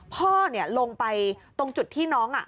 พ่อลงไปตรงจุดที่น้อง